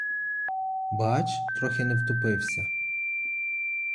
Бач, трохи не втопився.